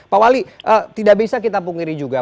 pak wali tidak bisa kita punggiri juga